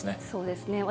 そうですね。